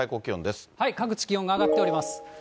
各地、気温が上がっております。